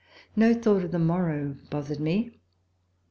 No thought of the morrow bothered me.